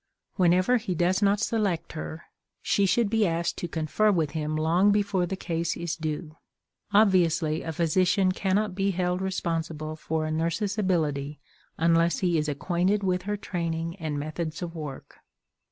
Whenever he does not select her, she should be asked to confer with him long before the case is due. Obviously, a physician cannot be held responsible for a nurse's ability unless he is acquainted with her training and methods of work.